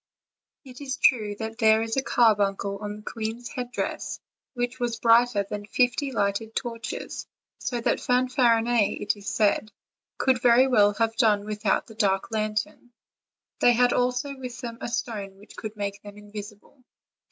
It is true that there was a carbuncle on the queen's headdress, which was brighter than fifty lighted torches, so that Fanfarinet, it is said, could very well have done without the dark lantern: they had also with them a stone which could make them invisible.